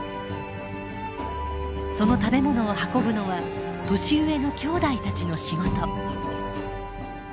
その食べ物を運ぶのは年上の兄弟たちの仕事。